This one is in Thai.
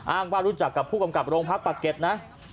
ว่ารู้จักกับผู้กำกับโรงพักปะเก็ตนะ